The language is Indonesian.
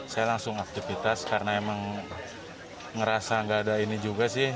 saya langsung aktivitas karena emang ngerasa gak ada ini juga sih